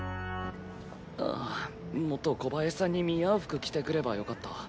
ああもっと小林さんに見合う服着てくればよかった。